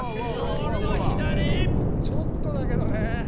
ちょっとだけどね。